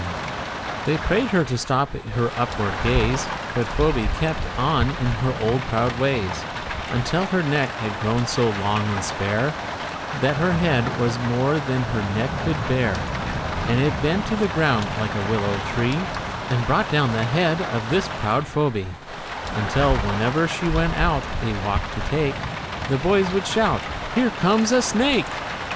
They prayed her to stop her upward gaze, But Phoebe kept on in her old proud ways, Until her neck had grown so long and spare That her head was more than her neck could bear And it bent to the ground, like a willow tree, And brought down the head of this proud Phoebe, Until whenever she went out a walk to take, The boys would shout, "Here comes a snake!"